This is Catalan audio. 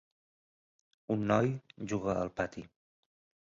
Un noi juga al pati.